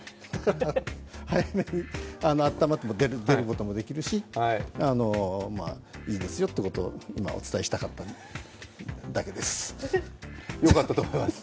早めにあったまって出ることもできるし、いいですよってことを今お伝えしたかっただけです。